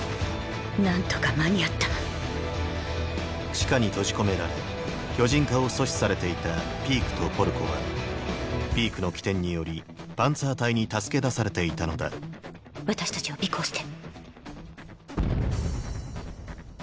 何とか間に合った地下に閉じ込められ巨人化を阻止されていたピークとポルコはピークの機転によりパンツァー隊に助け出されていたのだ私たちを尾行して。